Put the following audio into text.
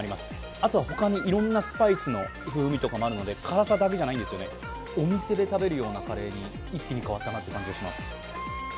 あと、ほかにいろんなスパイの風味もありますので、辛さだけじゃないんですよね、お店で食べるようなカレーに一気に変わったなという感じがします。